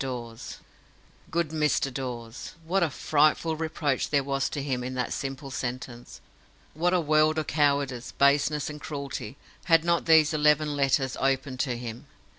DAWES. "Good Mr. Dawes"! What a frightful reproach there was to him in that simple sentence! What a world of cowardice, baseness, and cruelty, had not those eleven letters opened to him!